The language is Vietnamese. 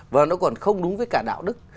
và nó còn không đúng với cả đạo đức